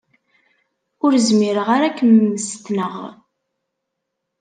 Ur zmireɣ ara ad kem-mmestneɣ.